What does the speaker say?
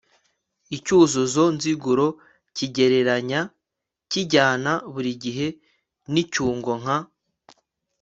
icyuzuzo nziguro kigereranya kijyana buri gihe n'icyungo nka